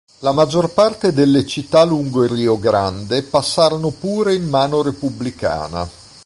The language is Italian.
La maggior parte delle città lungo il Rio Grande passarono pure in mano repubblicana.